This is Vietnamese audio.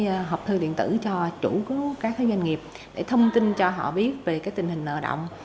cái hộp thư điện tử cho chủ của các doanh nghiệp để thông tin cho họ biết về tình hình nợ động